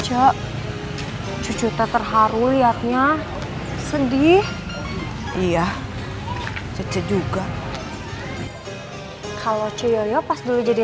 cok cucu tak terharu lihatnya sedih iya juga kalau cuy pas dulu jadi